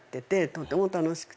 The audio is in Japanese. とても楽しくて。